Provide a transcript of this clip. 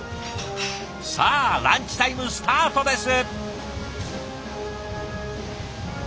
さあランチタイムスタートです！